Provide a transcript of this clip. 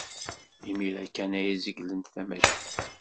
Imir-a kan ay zeglent tamacint.